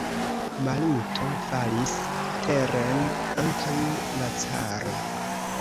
Maluto falis teren antaŭ la caro.